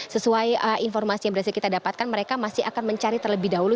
sesuai informasi yang berhasil kita dapatkan mereka masih akan mencari terlebih dahulu